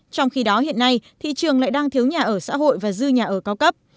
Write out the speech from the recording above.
trong khi đó hiện nay thị trường lại đang thiếu nhà ở xã hội và dư nhà ở cao cấp